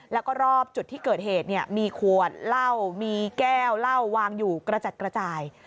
แล้วก็รอบจุดที่เกิดเหตุมีขวดเหล้ามีแก้วเหล้าวางอยู่กระจัดกระจาย